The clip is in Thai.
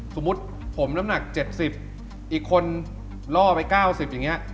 สมมุติผมน้ำหนักเจ็ดสิบอีกคนล่อไปเก้าสิบอย่างเงี้ย